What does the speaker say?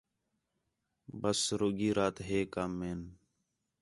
ٻسی رُگی رات ہے کم ہین